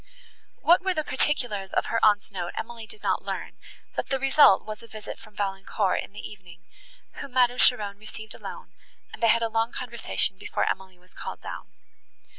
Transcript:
What were the particulars of her aunt's note Emily did not learn, but the result was a visit from Valancourt in the evening, whom Madame Cheron received alone, and they had a long conversation before Emily was called down.